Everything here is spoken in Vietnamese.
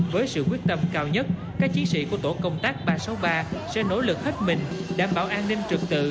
với sự quyết tâm cao nhất các chiến sĩ của tổ công tác ba trăm sáu mươi ba sẽ nỗ lực hết mình đảm bảo an ninh trực tự